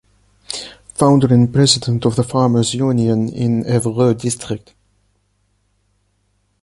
Founder and president of the farmers’ union in Evreux district.